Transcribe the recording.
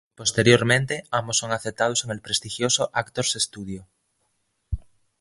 Posteriormente, ambos son aceptados en el prestigioso Actors Studio.